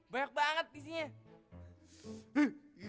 banyak banget disini